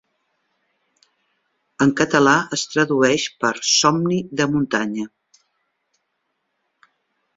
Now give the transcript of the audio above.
En català es tradueix per "somni de muntanya".